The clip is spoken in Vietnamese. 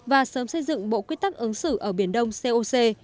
và sớm xây dựng bộ quy tắc ứng xử ở biển đông coc